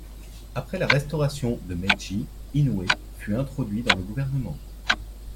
Après la restauration de Meiji, Inoue fut introduit dans le gouvernement.